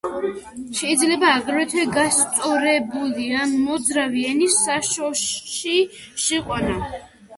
შეიძლება აგრეთვე გასწორებული ან მოძრავი ენის საშოში შეყვანა.